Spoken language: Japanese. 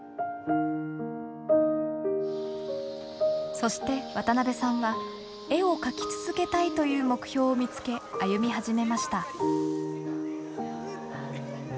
そして渡さんは絵を描き続けたいという目標を見つけ歩み始めました。